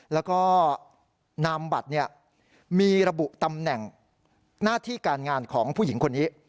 แล้วก็นามบัตรมีระบุตำแหน่งหน้าที่การงานของผู้หญิงคนนี้